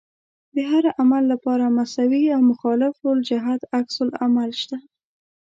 د هر عمل لپاره مساوي او مخالف الجهت عکس العمل شته.